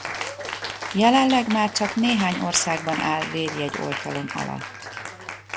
Jelenleg már csak néhány országban áll védjegyoltalom alatt.